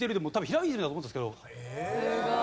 すごい。